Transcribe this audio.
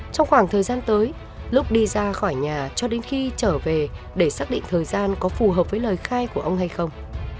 trong khoảng thời gian tới lúc đi ra khỏi nhà cho đến khi trở về để xác định thời gian có phù hợp với lời khai của ông hay không